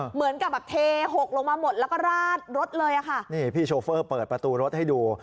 เหมือนกับแบบเทหกลงมาหมดแล้วก็ราดรถเลยอ่ะค่ะนี่พี่โชเฟอร์เปิดประตูรถให้ดู